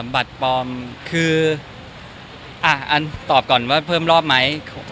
บัตรปลอมคืออันตอบก่อนว่าเพิ่มรอบไหม